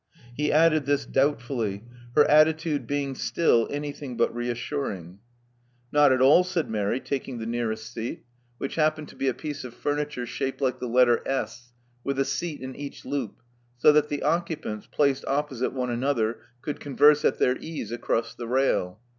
He added this doubtfully, her attitude being still anything but reassuring. '*Not at all," said Mary, taking the nearest seat, 274 Love Among the Artists which happened to be a piece of furniture shaped like the letter S, with a seat in each loop, so that the occupants, placed opposite one another, could converse at their ease across the rail.